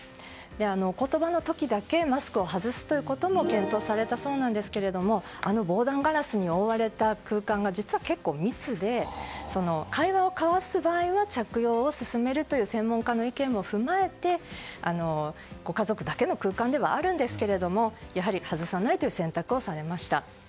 お言葉の時だけマスクを外すことも検討されたそうなんですけどもあの防弾ガラスに覆われた空間が実は結構、密で会話を交わす場合は着用を進めるという専門家の意見も踏まえてご家族だけの空間ではありますが外さないという選択をされました。